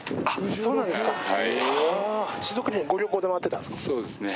そうですね。